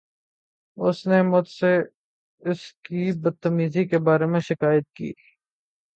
اُس نے مجھ سے اس کی بد تمیزی کے بارے میں شکایت کی۔